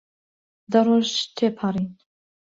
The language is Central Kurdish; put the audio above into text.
دە ڕۆژ تێپەڕین.